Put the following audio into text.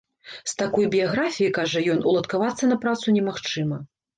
З такой біяграфіяй, кажа ён, уладкавацца на працу немагчыма.